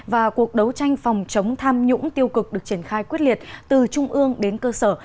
và cuộc đấu tranh phòng chống tham nhũng tiêu cực được triển khai quyết liệt từ trung ương đến cơ sở